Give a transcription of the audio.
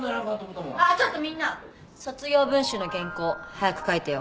あっちょっとみんな卒業文集の原稿早く書いてよ。